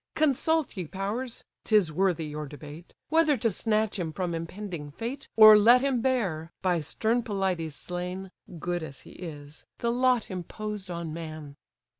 Consult, ye powers! ('tis worthy your debate) Whether to snatch him from impending fate, Or let him bear, by stern Pelides slain, (Good as he is) the lot imposed on man."